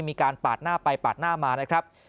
มีการปาดหน้าไปปาดหน้ามานะครับ